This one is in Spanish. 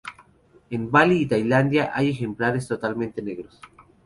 En Bali y Tailandia hay ejemplares totalmente negros.